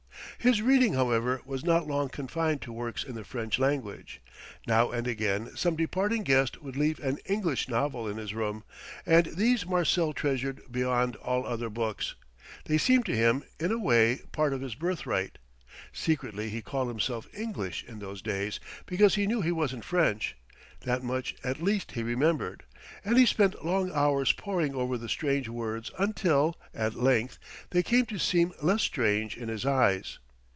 His reading, however, was not long confined to works in the French language. Now and again some departing guest would leave an English novel in his room, and these Marcel treasured beyond all other books; they seemed to him, in a way, part of his birthright. Secretly he called himself English in those days, because he knew he wasn't French: that much, at least, he remembered. And he spent long hours poring over the strange words until; at length, they came to seem less strange in his eyes.